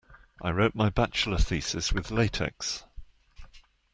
I wrote my bachelor thesis with latex.